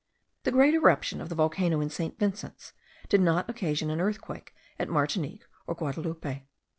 The great eruption of the volcano in St. Vincent's did not occasion an earthquake at Martinique or Guadaloupe.